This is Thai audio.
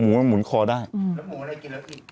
แล้วหมูอะไรกินแล้วอิ่ม